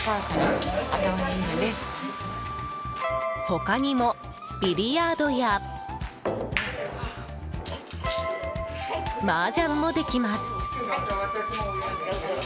他にも、ビリヤードや麻雀もできます。